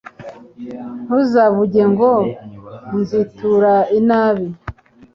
ntuzavuge ngo nzitura inabi